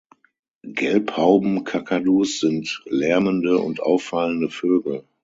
Gelbhaubenkakadus sind lärmende und auffallende Vögel.